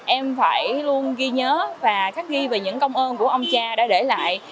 em phải luôn ghi nhớ và khắc ghi về những công ơn của ông cha đã để lại